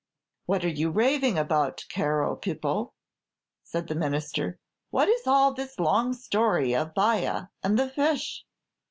"What are you raving about, caro Pipo?" said the Minister; "what is all this long story of Baia and the fish?"